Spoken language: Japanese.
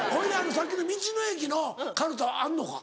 さっきの道の駅のかるたはあんのか？